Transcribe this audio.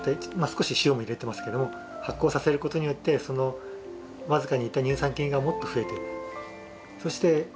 少し塩も入れてますけども発酵させることによって僅かにいた乳酸菌がもっと増えてる。